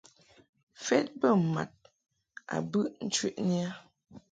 Fed bə mad a bɨʼ ncheʼni a.